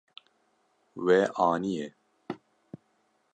We aniye.